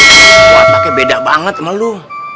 kuat pake beda banget sama lu